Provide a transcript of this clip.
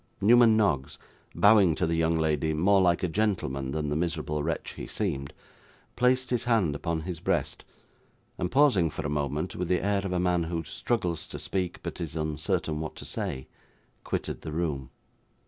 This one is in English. Newman Noggs, bowing to the young lady more like a gentleman than the miserable wretch he seemed, placed his hand upon his breast, and, pausing for a moment, with the air of a man who struggles to speak but is uncertain what to say, quitted the room.